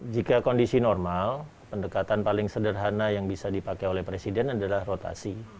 jika kondisi normal pendekatan paling sederhana yang bisa dipakai oleh presiden adalah rotasi